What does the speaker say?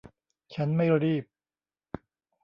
ฉันไม่รีบ